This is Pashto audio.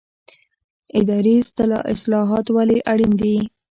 اداري اصلاحات ولې اړین دي؟